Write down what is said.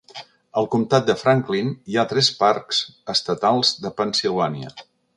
Al comtat de Franklin hi ha tres parcs estatals de Pennsilvània.